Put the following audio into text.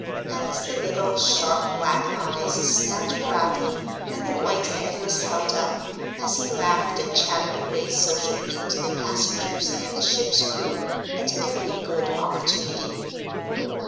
And the little, sharp black eyes snapped proudly and the white head was held up, as he laughed and chattered away sociably to the passengers and the ship's crew, at every good opportunity.